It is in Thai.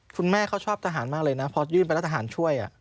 คุณแม่เขาชอบทหารมากเลยนะพอยื่นไปแล้วทหารช่วย